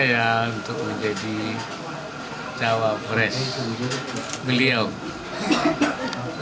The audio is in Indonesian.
karena penghargaan pada ulama